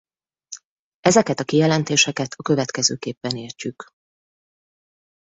Ezeket a kijelentéseket a következőképpen értjük.